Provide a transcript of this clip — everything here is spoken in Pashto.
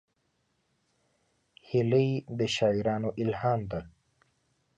هیلۍ د شاعرانو الهام ده